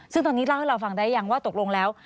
ซึ่งตอนนี้เล่าให้เราฟังได้ยังว่าตกลงแล้ว